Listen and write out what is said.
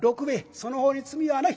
その方に罪はない。